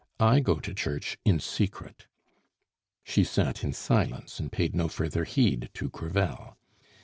I go to church in secret." She sat in silence, and paid no further heed to Crevel.